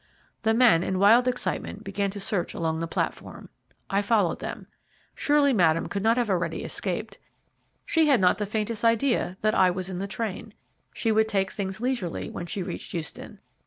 The men in wild excitement began to search along the platform. I followed them. Surely Madame could not have already escaped. She had not the faintest idea that I was in the train; she would take things leisurely when she reached Euston.